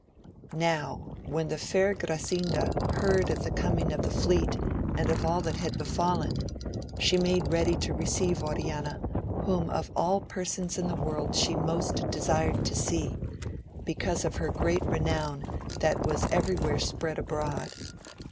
OW when the fair Grasinda heard of the com ing of the fleet and of all that had befallen, she made ready to receive Oriana, whom of all persons in the world she most desired to see, be cause of her great renown that was every where spread abroad.